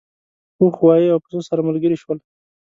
اوښ غوایی او پسه سره ملګري شول.